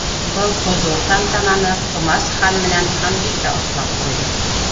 Был хозур тантананы Ҡомас ХАН МЕНӘН ХАНБИКӘ ослап ҡуйҙы.